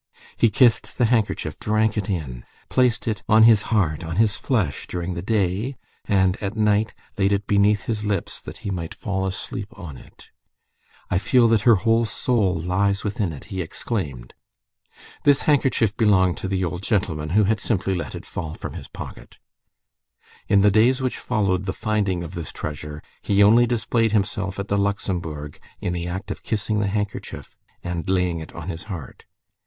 He kissed the handkerchief, drank it in, placed it on his heart, on his flesh, during the day, and at night, laid it beneath his lips that he might fall asleep on it. "I feel that her whole soul lies within it!" he exclaimed. This handkerchief belonged to the old gentleman, who had simply let it fall from his pocket. In the days which followed the finding of this treasure, he only displayed himself at the Luxembourg in the act of kissing the handkerchief and laying it on his heart.